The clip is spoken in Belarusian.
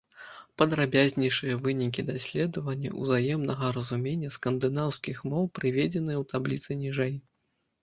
Падрабязнейшыя вынікі даследавання ўзаемнага разумення скандынаўскіх моў прыведзеныя ў табліцы ніжэй.